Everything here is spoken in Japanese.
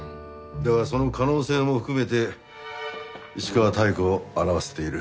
だがその可能性も含めて石川妙子を洗わせている。